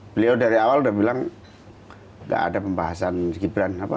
beliau dari awal udah bilang gak ada pembahasan gibran